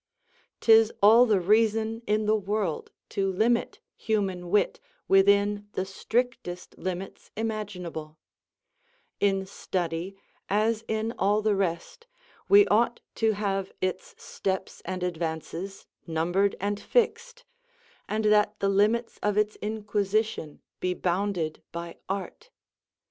'Tis all the reason in the world to limit human wit within the strictest limits imaginable; in study, as in all the rest, we ought to have its steps and advances numbered and fixed, and that the limits of its inquisition be bounded by art.